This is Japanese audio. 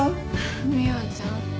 美和ちゃん。